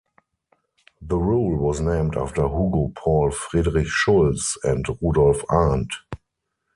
The rule was named after Hugo Paul Friedrich Schulz and Rudolf Arndt.